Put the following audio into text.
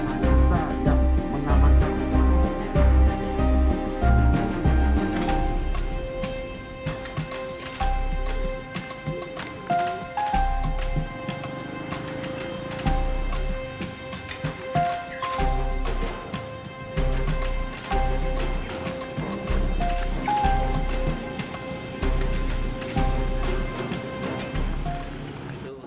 itu banyak mengeluarkan darah